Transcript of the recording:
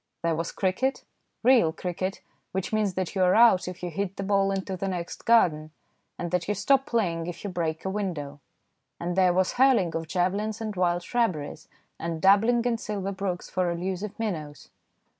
There was cricket, real cricket, which means that you are out if you hit the ball into the next garden, and that you stop playing if you break a window, and there was hurling of javelins in wild shrubberies, and dabbling in silver brooks for elusive minnows.